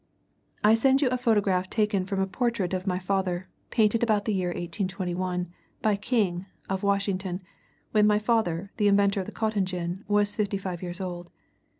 I send you a photograph taken from a portrait of my father, painted about the year 1821, by King, of Washington, when my father, the inventor of the cotton gin, was fifty five years old.